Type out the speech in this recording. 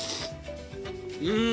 うん。